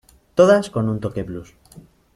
Todas con un toque blues.